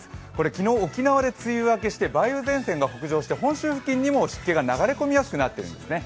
昨日、沖縄で梅雨明けして梅雨前線が北上して本州付近にも湿気が流れ込みやすくなっているんですね。